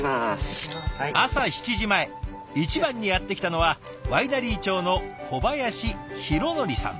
朝７時前一番にやって来たのはワイナリー長の小林弘憲さん。